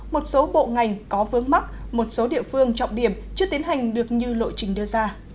một số bộ ngành có vướng mắc một số địa phương trọng điểm chưa tiến hành được như lộ trình đưa ra